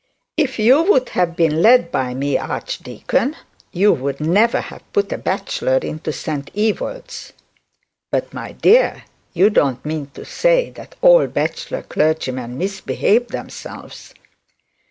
'It you would have been led by me, archdeacon, you would never have put a bachelor into St Ewold's.' 'But, my dear, you don't mean to say that all bachelor clergymen misbehave themselves.'